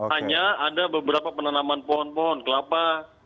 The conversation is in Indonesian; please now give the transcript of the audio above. hanya ada beberapa penanaman pohon pohon kelapa